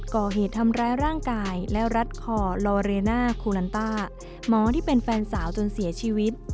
ก่อเหตุทำร้ายร่างกายและรัดคอลอเรน่าคูลันต้าหมอที่เป็นแฟนสาวจนเสียชีวิต